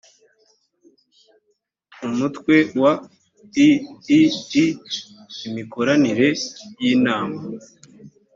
umutwe wa iii imikoranire y’inama